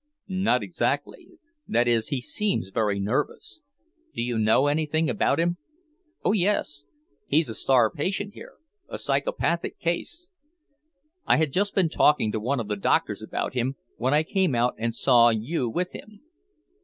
"Not exactly. That is, he seems very nervous. Do you know anything about him?" "Oh, yes! He's a star patient here, a psychopathic case. I had just been talking to one of the doctors about him, when I came out and saw you with him.